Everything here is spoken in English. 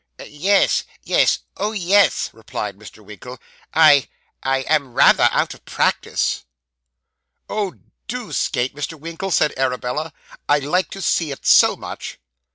'Ye yes; oh, yes,' replied Mr. Winkle. 'I I am _rather _out of practice.' 'Oh, do skate, Mr. Winkle,' said Arabella. 'I like to see it so much.